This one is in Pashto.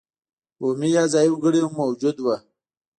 بومي یا ځايي وګړي هم موجود وو.